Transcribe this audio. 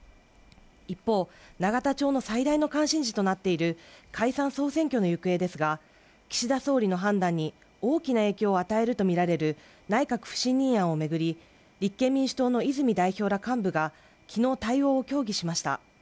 一方、永田町の最大の関心事となっている解散総選挙の行方ですが岸田総理の判断に大きな影響を与えるとみられる内閣不信任案を巡り、立憲民主党の泉代表ら幹部が昨日対応を協議しました。